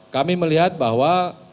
kami melihat bahwa